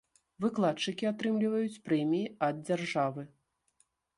Выкладчыкі атрымліваюць прэміі ад дзяржавы.